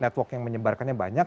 network yang menyebarkannya banyak